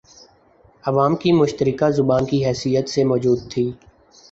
عوام کی مشترکہ زبان کی حیثیت سے موجود تھی